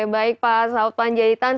baik pak saud panjaitan